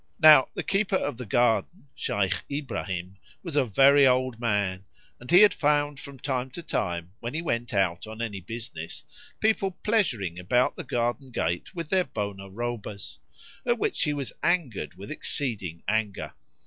Now the keeper of the garden, Shaykh Ibrahim, was a very old man, and he had found from time to time, when he went out on any business, people pleasuring about the garden gate with their bona robas; at which he was angered with exceeding anger.